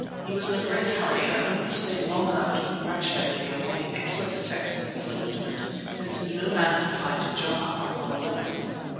He was in a great hurry and only stayed long enough to congratulate me upon the excellent effects of his ointment, since "no man could fight Jana on one leg."